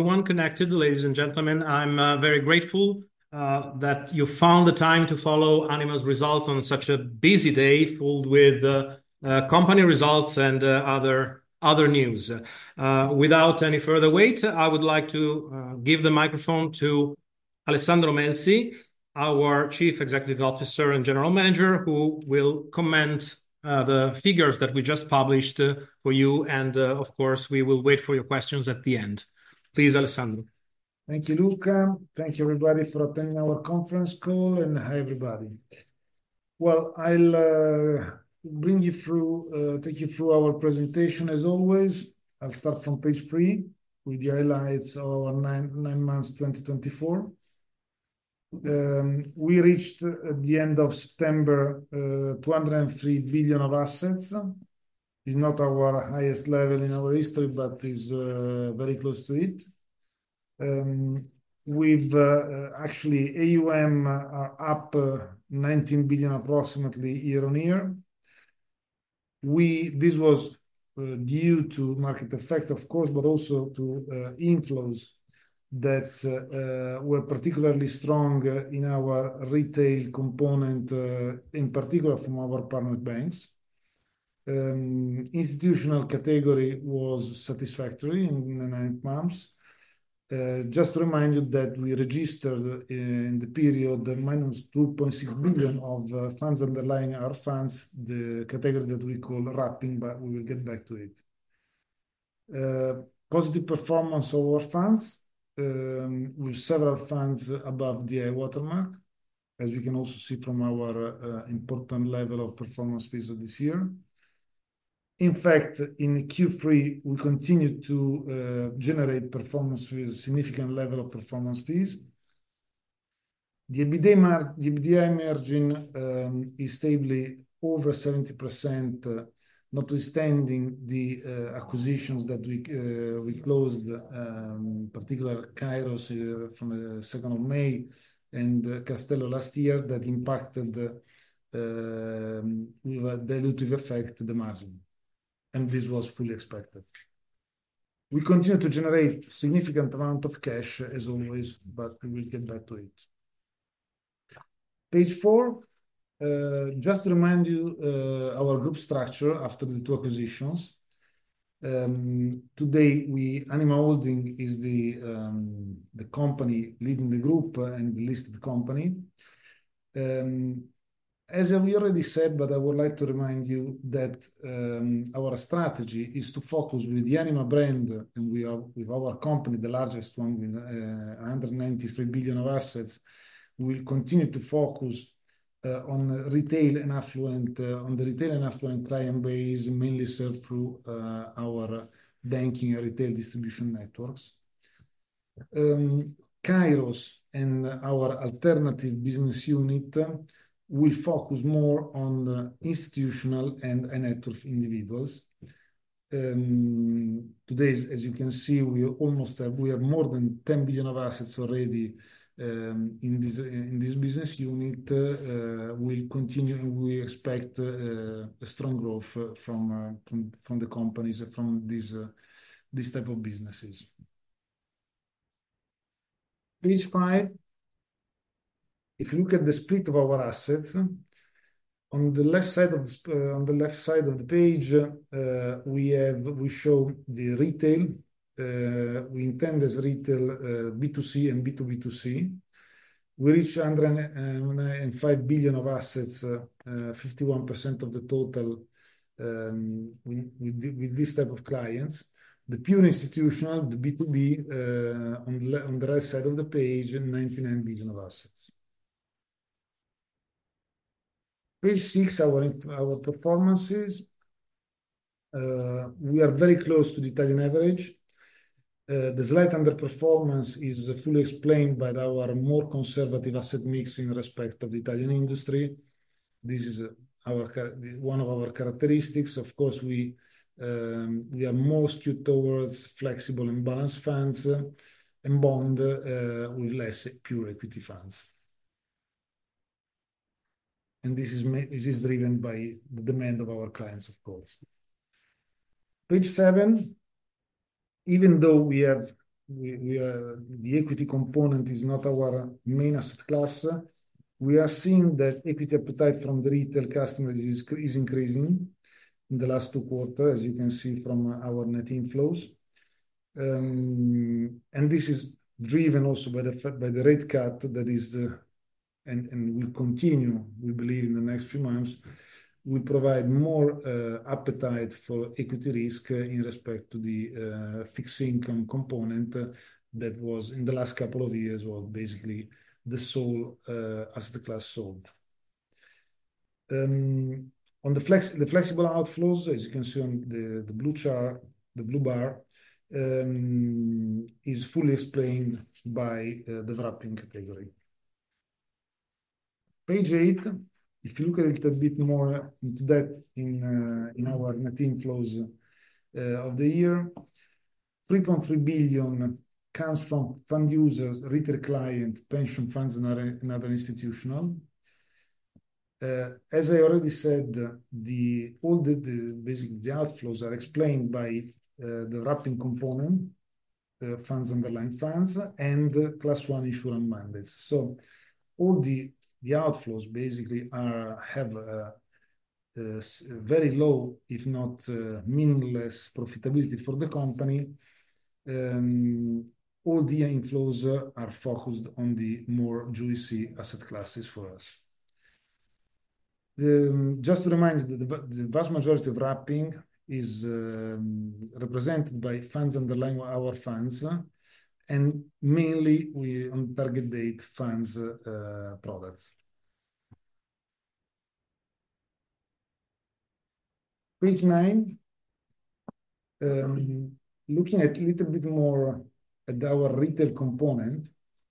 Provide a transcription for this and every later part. To everyone connected, ladies and gentlemen. I'm very grateful that you found the time to follow Anima's results on such a busy day filled with company results and other news. Without any further wait, I would like to give the microphone to Alessandro Melzi, our Chief Executive Officer and General Manager, who will comment on the figures that we just published for you, and of course, we will wait for your questions at the end. Please, Alessandro. Thank you, Luca. Thank you, everybody, for attending our conference call. Hi, everybody. I'll bring you through, take you through our presentation as always. I'll start from page three with the highlights of our nine months 2024. We reached at the end of September 203 billion of assets. It's not our highest level in our history, but it's very close to it. We've actually AUM are up approximately 19 billion year on year. This was due to market effect, of course, but also to inflows that were particularly strong in our retail component, in particular from our partner banks. Institutional category was satisfactory in the nine months. Just to remind you that we registered in the period minus 2.6 billion of funds underlying our funds, the category that we call wrapping, but we will get back to it. Positive performance of our funds with several funds above the watermark, as you can also see from our important level of performance fees this year. In fact, in Q3, we continue to generate performance fees, a significant level of performance fees. The EBITDA margin is stably over 70%, notwithstanding the acquisitions that we closed, particularly Kairos from the 2nd of May and Castello last year that impacted the dilutive effect on the margin, and this was fully expected. We continue to generate a significant amount of cash, as always, but we will get back to it. Page four, just to remind you of our group structure after the two acquisitions. Today, Anima Holding is the company leading the group and the listed company. As we already said, but I would like to remind you that our strategy is to focus with the Anima brand, and we are with our company, the largest one with 193 billion of assets. We will continue to focus on retail and affluent, on the retail and affluent client base, mainly served through our banking and retail distribution networks. Kairos and our alternative business unit will focus more on institutional and HNW individuals. Today, as you can see, we almost have more than 10 billion of assets already in this business unit. We'll continue and we expect a strong growth from the companies and from this type of businesses. Page five, if you look at the split of our assets, on the left side of the page, we show the retail. We intend as retail B2C and B2B2C. We reached 105 billion of assets, 51% of the total with this type of clients. The pure institutional, the B2B, on the right side of the page, 99 billion of assets. Page six, our performances. We are very close to the Italian average. The slight underperformance is fully explained by our more conservative asset mix in respect of the Italian industry. This is one of our characteristics. Of course, we are more skewed towards flexible and balanced funds and bonds with less pure equity funds. And this is driven by the demand of our clients, of course. Page seven, even though the equity component is not our main asset class, we are seeing that equity appetite from the retail customers is increasing in the last two quarters, as you can see from our net inflows. And this is driven also by the rate cut that is, and we'll continue, we believe, in the next few months, will provide more appetite for equity risk in respect to the fixed income component that was in the last couple of years was basically the sole asset class sold. On the flexible outflows, as you can see on the blue chart, the blue bar is fully explained by the wrapping category. Page eight, if you look at it a bit more into that in our net inflows of the year, 3.3 billion comes from fund users, retail client, pension funds, and other institutional. As I already said, basically the outflows are explained by the wrapping component, funds underlying funds, and Class I insurance mandates. So all the outflows basically have very low, if not meaningless, profitability for the company. All the inflows are focused on the more juicy asset classes for us. Just to remind you that the vast majority of wrapping is represented by funds underlying our funds and mainly on target date funds products. Page nine, looking at a little bit more at our retail component,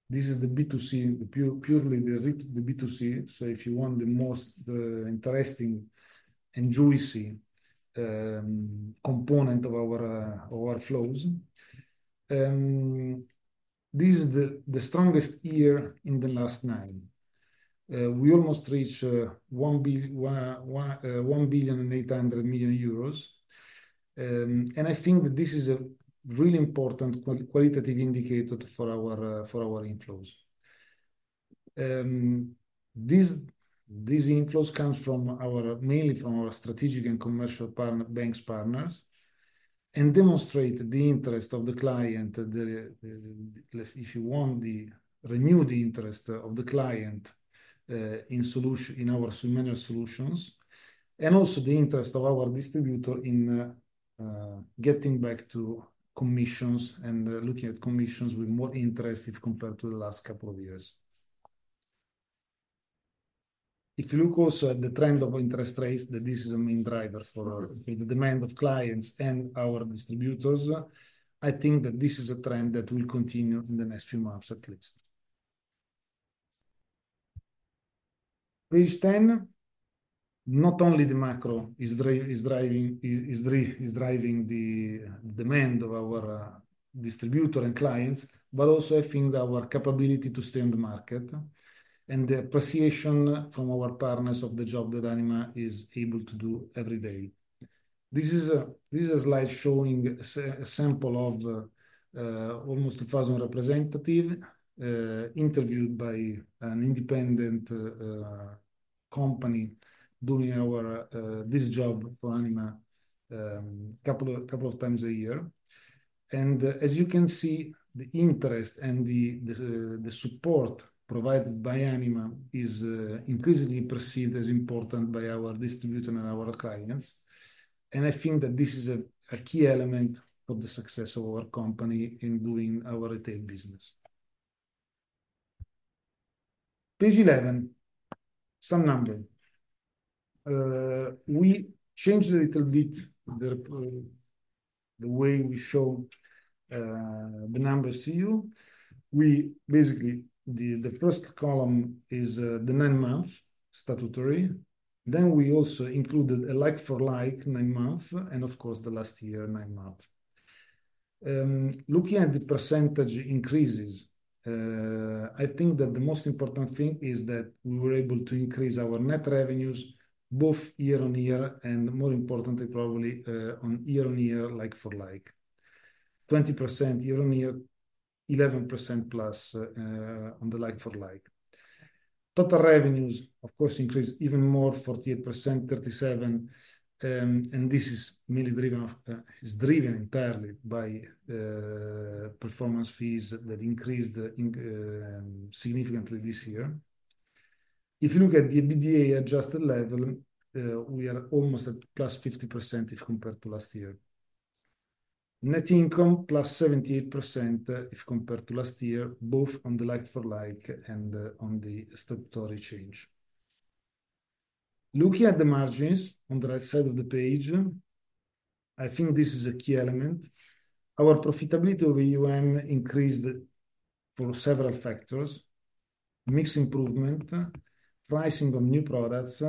this is the B2C, purely the B2C. So if you want the most interesting and juicy component of our flows, this is the strongest year in the last nine. We almost reached 1.8 billion. I think that this is a really important qualitative indicator for our inflows. These inflows come mainly from our strategic and commercial banks partners and demonstrate the interest of the client, if you want, the renewed interest of the client in our similar solutions, and also the interest of our distributor in getting back to commissions and looking at commissions with more interest if compared to the last couple of years. If you look also at the trend of interest rates, that this is a main driver for the demand of clients and our distributors, I think that this is a trend that will continue in the next few months at least. Page 10, not only the macro is driving the demand of our distributor and clients, but also I think our capability to stay in the market and the appreciation from our partners of the job that Anima is able to do every day. This is a slide showing a sample of almost 2,000 representatives interviewed by an independent company doing this job for Anima a couple of times a year, and as you can see, the interest and the support provided by Anima is increasingly perceived as important by our distributor and our clients, and I think that this is a key element of the success of our company in doing our retail business. Page 11, some numbers. We changed a little bit the way we show the numbers to you. Basically, the first column is the nine months statutory. Then we also included a like-for-like nine months and, of course, the last year nine months. Looking at the percentage increases, I think that the most important thing is that we were able to increase our net revenues both year on year and, more importantly, probably on year on year, like-for-like. 20% year on year, 11% plus on the like-for-like. Total revenues, of course, increased even more, 48%, 37%. And this is mainly driven entirely by performance fees that increased significantly this year. If you look at the EBITDA adjusted level, we are almost at plus 50% if compared to last year. Net income plus 78% if compared to last year, both on the like-for-like and on the statutory change. Looking at the margins on the right side of the page, I think this is a key element. Our profitability over year increased for several factors: mix improvement, pricing of new products,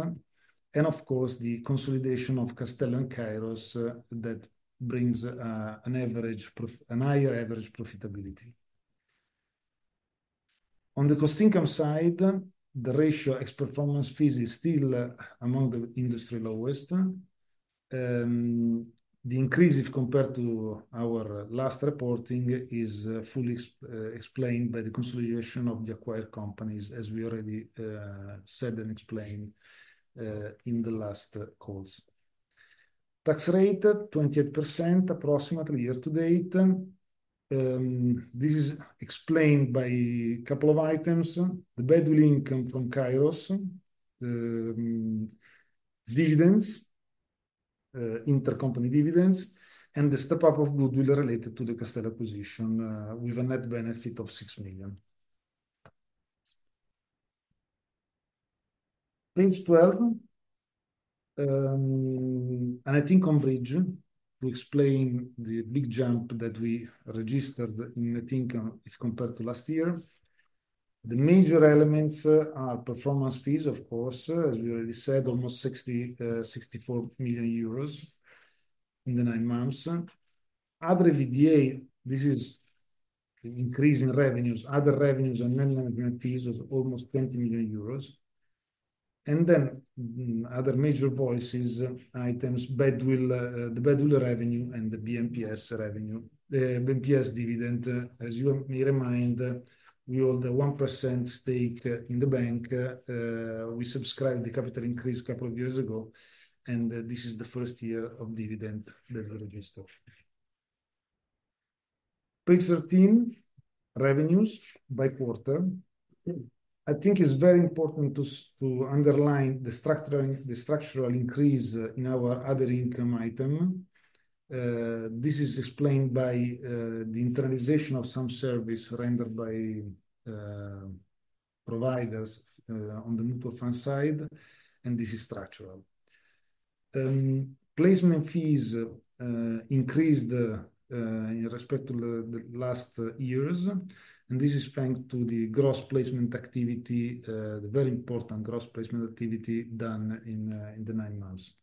and, of course, the consolidation of Castello and Kairos that brings an higher average profitability. On the cost income side, the ratio ex performance fees is still among the industry lowest. The increase, if compared to our last reporting, is fully explained by the consolidation of the acquired companies, as we already said and explained in the last calls. Tax rate, 28% approximately year to date. This is explained by a couple of items: the badwill income from Kairos, dividends, intercompany dividends, and the step-up of goodwill related to the Castello acquisition with a net benefit of 6 million. Page 12, net income bridge to explain the big jump that we registered in net income if compared to last year. The major elements are performance fees, of course, as we already said, almost 64 million euros in the nine months. Other EBITDA, this is increasing revenues, other revenues and net management fees of almost 20 million euros. And then other major voices items, the badwill revenue and the BMPS revenue. BMPS dividend, as you may remember, we hold a 1% stake in the bank. We subscribed the capital increase a couple of years ago, and this is the first year of dividend that we registered. Page 13, revenues by quarter. I think it's very important to underline the structural increase in our other income item. This is explained by the internalization of some service rendered by providers on the mutual fund side, and this is structural. Placement fees increased with respect to the last years, and this is thanks to the gross placement activity, the very important gross placement activity done in the nine months.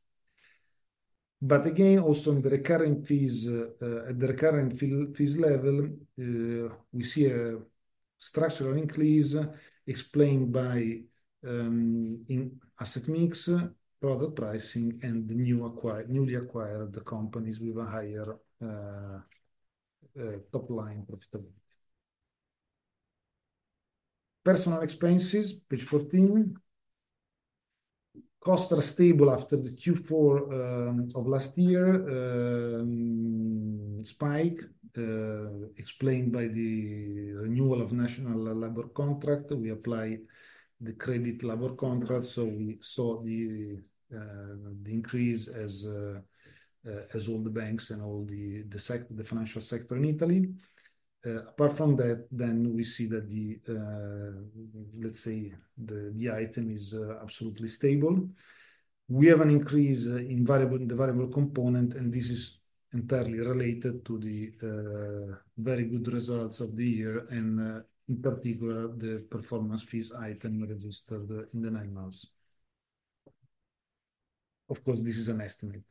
But again, also in the recurring fees, at the recurring fees level, we see a structural increase explained by asset mix, product pricing, and newly acquired companies with a higher top line profitability. Personal expenses, page 14. Costs are stable after the Q4 of last year spike, explained by the renewal of national labor contract. We apply the collective labor contract, so we saw the increase as all the banks and all the financial sector in Italy. Apart from that, then we see that the, let's say, the item is absolutely stable. We have an increase in the variable component, and this is entirely related to the very good results of the year, and in particular, the performance fees item registered in the nine months. Of course, this is an estimate.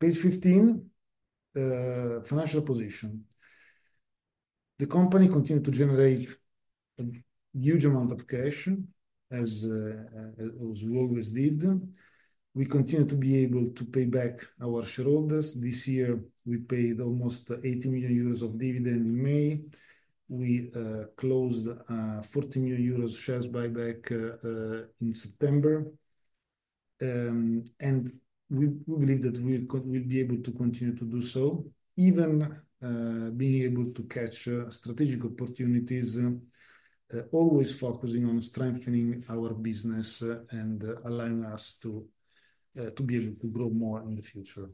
Page 15, financial position. The company continued to generate a huge amount of cash, as we always did. We continue to be able to pay back our shareholders. This year, we paid almost 80 million euros of dividend in May. We closed 40 million euros of shares buyback in September. And we believe that we'll be able to continue to do so, even being able to catch strategic opportunities, always focusing on strengthening our business and allowing us to be able to grow more in the future.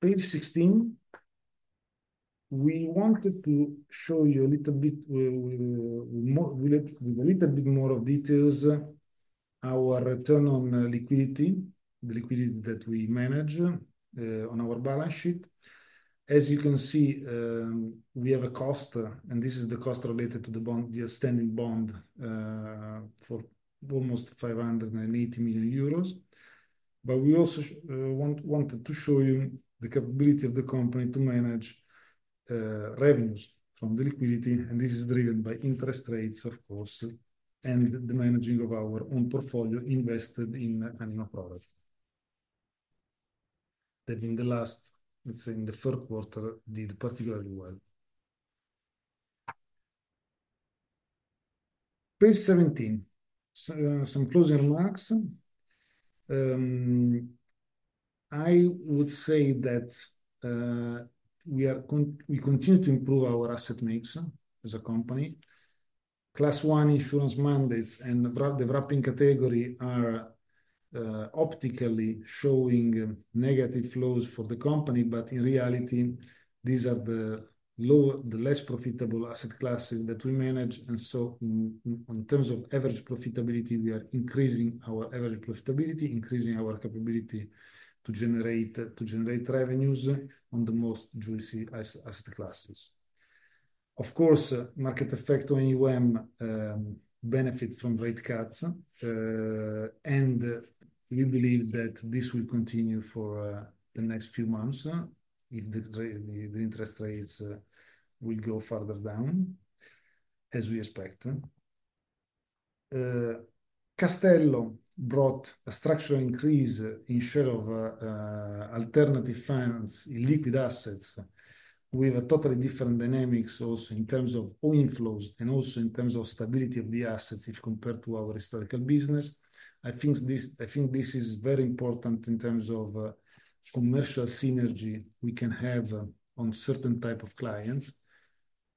Page 16, we wanted to show you a little bit with a little bit more of details our return on liquidity, the liquidity that we manage on our balance sheet. As you can see, we have a cost, and this is the cost related to the bond, the outstanding bond for almost 580 million euros. But we also wanted to show you the capability of the company to manage revenues from the liquidity, and this is driven by interest rates, of course, and the managing of our own portfolio invested in Anima products that in the last, let's say, in the Q3 did particularly well. Page 17, some closing remarks. I would say that we continue to improve our asset mix as a company. Class I Insurance Mandates and the Wrapping category are optically showing negative flows for the company, but in reality, these are the less profitable asset classes that we manage. And so in terms of average profitability, we are increasing our average profitability, increasing our capability to generate revenues on the most juicy asset classes. Of course, market effect on benefits from rate cuts, and we believe that this will continue for the next few months if the interest rates will go further down, as we expect. Castello brought a structural increase in share of alternative finance illiquid assets with totally different dynamics also in terms of inflows and also in terms of stability of the assets if compared to our historical business. I think this is very important in terms of commercial synergy we can have on certain types of clients,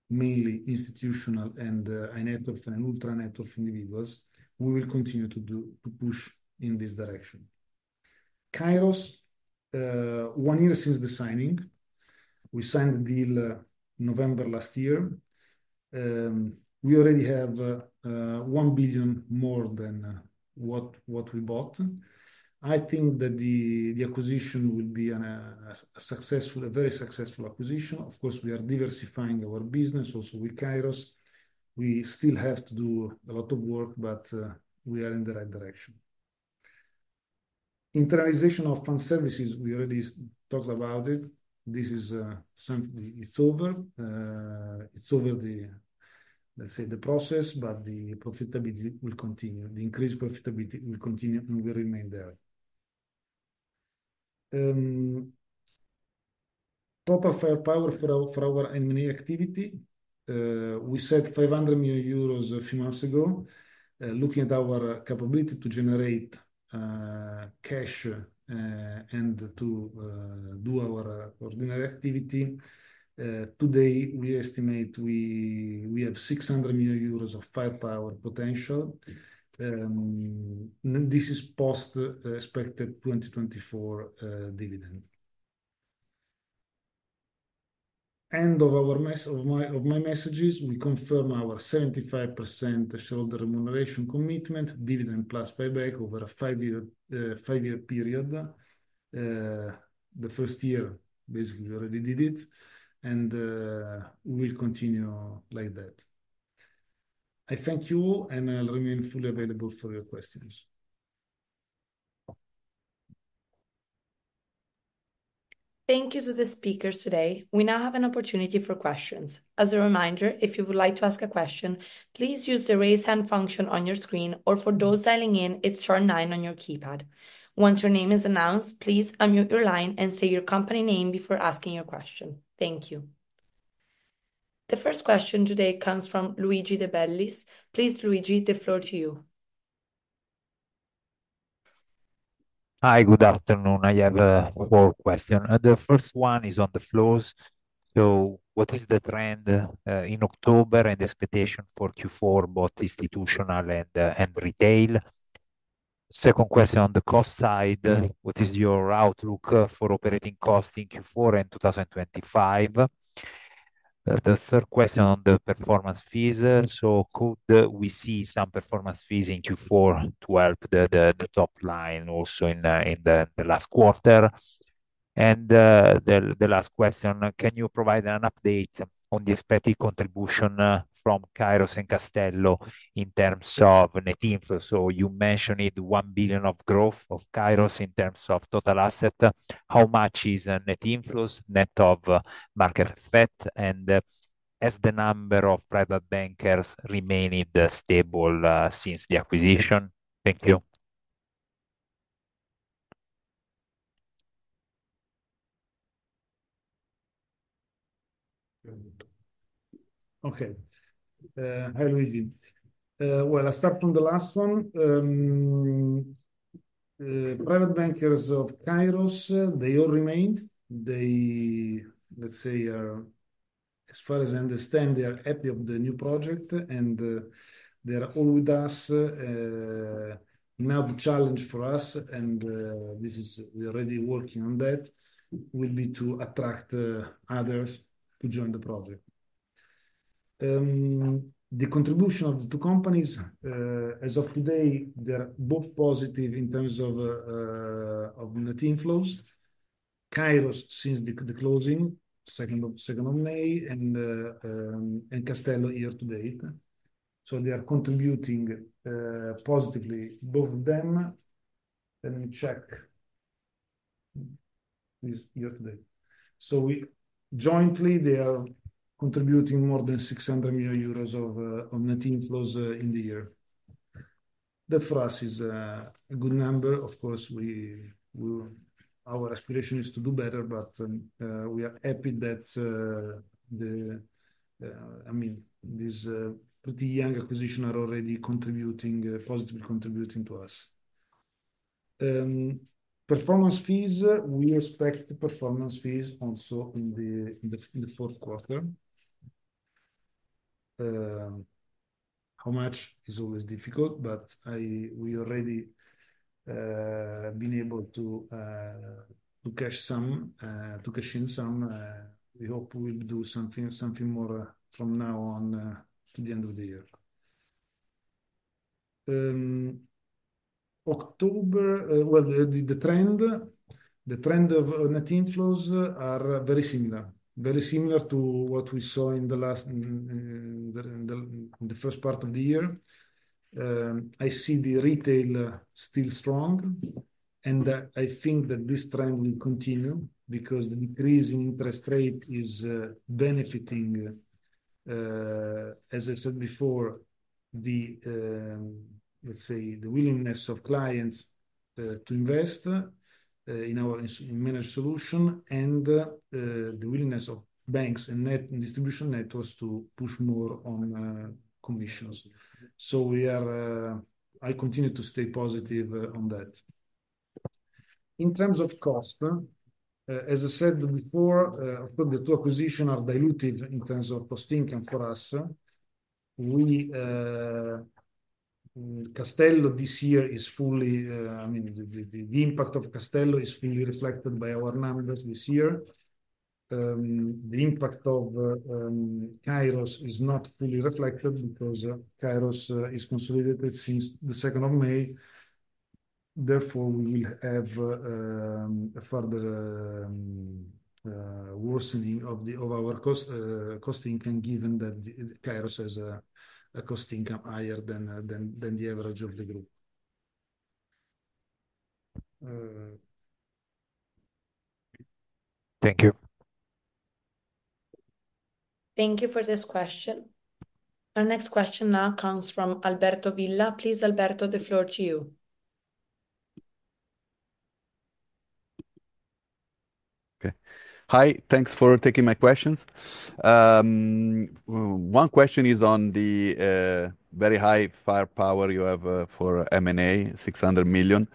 mainly institutional and high net worth and ultra net worth individuals. We will continue to push in this direction. Kairos, one year since the signing. We signed the deal in November last year. We already have 1 billion EUR more than what we bought. I think that the acquisition will be a very successful acquisition. Of course, we are diversifying our business also with Kairos. We still have to do a lot of work, but we are in the right direction. Internalization of fund services, we already talked about it. This is something it's over. It's over the, let's say, the process, but the profitability will continue. The increased profitability will continue and will remain there. Total firepower for our M&A activity. We said 500 million euros a few months ago. Looking at our capability to generate cash and to do our ordinary activity, today we estimate we have 600 million euros of firepower potential. This is post-expected 2024 dividend. End of my messages. We confirm our 75% shareholder remuneration commitment, dividend plus payback over a five-year period. The first year, basically, we already did it, and we'll continue like that. I thank you all, and I'll remain fully available for your questions. Thank you to the speakers today. We now have an opportunity for questions. As a reminder, if you would like to ask a question, please use the raise hand function on your screen, or for those dialing in, it's star nine on your keypad. Once your name is announced, please unmute your line and say your company name before asking your question. Thank you. The first question today comes from Luigi De Bellis. Please, Luigi, the floor to you. Hi, good afternoon. I have four questions. The first one is on the flows. So what is the trend in October and the expectation for Q4, both institutional and retail? Second question on the cost side, what is your outlook for operating costs in Q4 and 2025? The third question on the performance fees. So could we see some performance fees in Q4 to help the top line also in the last quarter? And the last question, can you provide an update on the expected contribution from Kairos and Castello in terms of net inflow? So you mentioned it, 1 billion of growth of Kairos in terms of total asset. How much is net inflows, net of market effect, and has the number of private bankers remained stable since the acquisition? Thank you. Okay. Hi, Luigi. Well, I'll start from the last one. Private bankers of Kairos, they all remained. They, let's say, as far as I understand, they are happy of the new project, and they are all with us. Now the challenge for us, and this is we're already working on that, will be to attract others to join the project. The contribution of the two companies, as of today, they're both positive in terms of net inflows. Kairos since the closing, second of May, and Castello year to date. So they are contributing positively both of them. Let me check this year to date. So jointly, they are contributing more than 600 million euros of net inflows in the year. That for us is a good number. Of course, our aspiration is to do better, but we are happy that, I mean, these pretty young acquisitions are already positively contributing to us. Performance fees, we expect performance fees also in the Q4. How much is always difficult, but we already have been able to cash in some. We hope we will do something more from now on to the end of the year. October, well, the trend of net inflows is very similar, very similar to what we saw in the first part of the year. I see the retail still strong, and I think that this trend will continue because the increase in interest rate is benefiting, as I said before, let's say, the willingness of clients to invest in our managed solution and the willingness of banks and distribution networks to push more on commissions. So I continue to stay positive on that. In terms of cost, as I said before, of course, the two acquisitions are diluted in terms of cost income for us. Castello this year is fully, I mean, the impact of Castello is fully reflected by our numbers this year. The impact of Kairos is not fully reflected because Kairos is consolidated since the second of May. Therefore, we will have a further worsening of our cost income given that Kairos has a cost income higher than the average of the group. Thank you. Thank you for this question. Our next question now comes from Alberto Villa. Please, Alberto, the floor to you. Okay. Hi, thanks for taking my questions. One question is on the very high firepower you have for M&A, 600 million.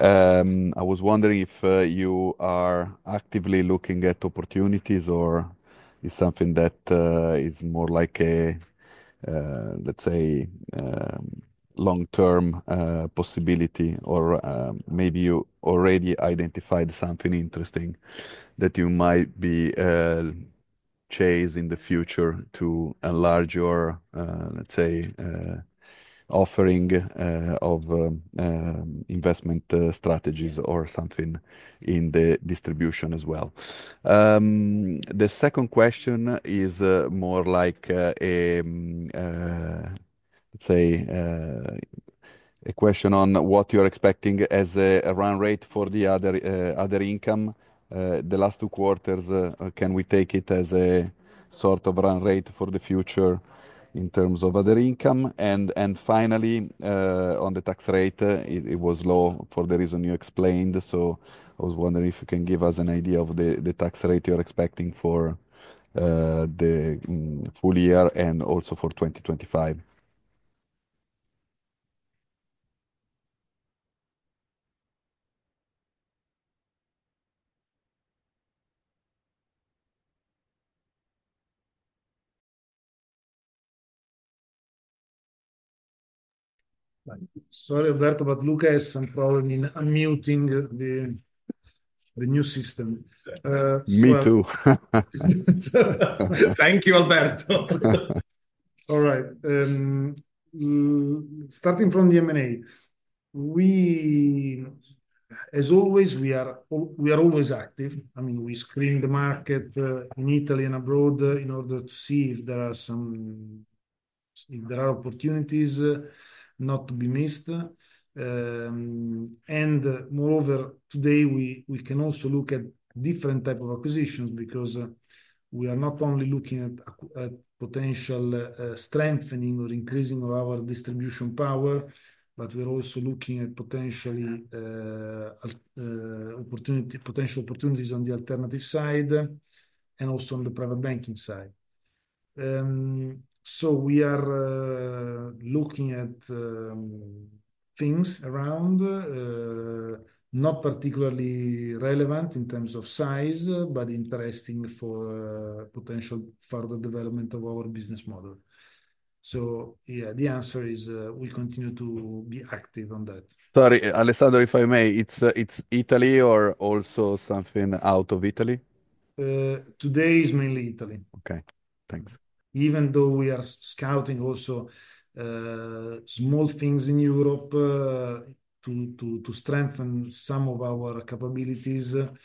I was wondering if you are actively looking at opportunities or it's something that is more like a, let's say, long-term possibility, or maybe you already identified something interesting that you might chase in the future to enlarge your, let's say, offering of investment strategies or something in the distribution as well. The second question is more like, let's say, a question on what you're expecting as a run rate for the other income. The last two quarters, can we take it as a sort of run rate for the future in terms of other income? And finally, on the tax rate, it was low for the reason you explained. So I was wondering if you can give us an idea of the tax rate you're expecting for the full year and also for 2025. Sorry, Alberto, but Luca is probably muting the new system. Me too. Thank you, Alberto. All right. Starting from the M&A, as always, we are always active. I mean, we screen the market in Italy and abroad in order to see if there are opportunities not to be missed. And moreover, today, we can also look at different types of acquisitions because we are not only looking at potential strengthening or increasing of our distribution power, but we're also looking at potential opportunities on the alternative side and also on the private banking side. So we are looking at things around not particularly relevant in terms of size, but interesting for potential further development of our business model. So yeah, the answer is we continue to be active on that. Sorry, Alessandro, if I may, it's Italy or also something out of Italy? Today is mainly Italy. Okay. Thanks. Even though we are scouting also small things in Europe to strengthen some of our capabilities. But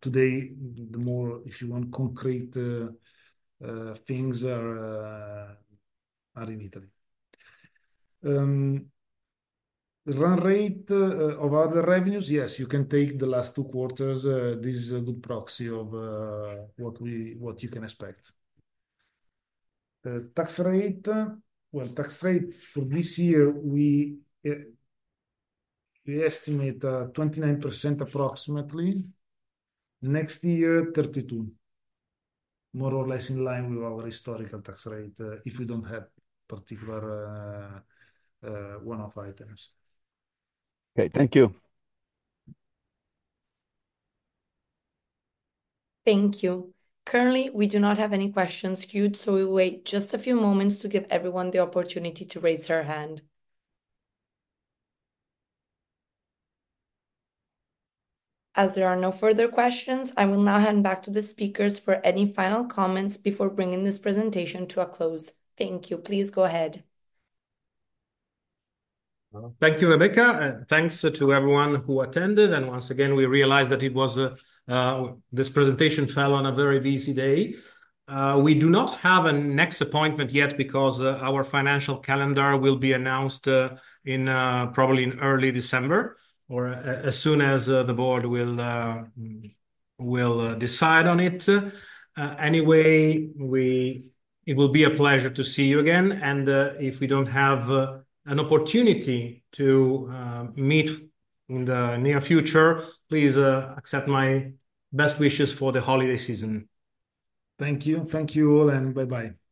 today, the more concrete things, if you want, are in Italy. Run rate of other revenues, yes, you can take the last two quarters. This is a good proxy of what you can expect. Tax rate, well, tax rate for this year, we estimate 29% approximately. Next year, 32%. More or less in line with our historical tax rate if we don't have particular one-off items. Okay. Thank you. Thank you. Currently, we do not have any questions queued, so we'll wait just a few moments to give everyone the opportunity to raise their hand. As there are no further questions, I will now hand back to the speakers for any final comments before bringing this presentation to a close. Thank you. Please go ahead. Thank you, Rebecca. Thanks to everyone who attended, and once again, we realized that this presentation fell on a very busy day. We do not have a next appointment yet because our financial calendar will be announced probably in early December or as soon as the board will decide on it. Anyway, it will be a pleasure to see you again. And if we don't have an opportunity to meet in the near future, please accept my best wishes for the holiday season. Thank you. Thank you all, and bye-bye.